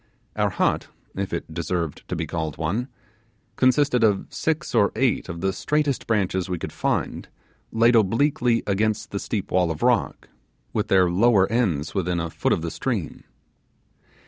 Our hut, if it deserved to be called one, consisted of six or eight of the straightest branches we could find laid obliquely against the steep wall of rock, with their lower ends within a foot of the stream.